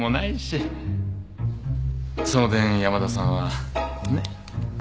その点山田さんはねっ？